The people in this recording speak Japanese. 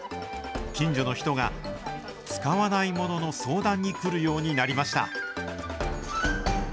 近所の人が、使わないものの相談に来るようになりました。